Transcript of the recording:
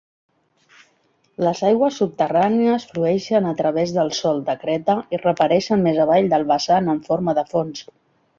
Les aigües subterrànies flueixen a través del sòl de creta i reapareixen més avall del vessant en forma de fonts.